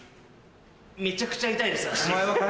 めちゃくちゃ痛いです足。